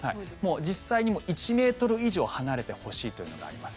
実際に１ｍ以上離れてほしいというのがあります。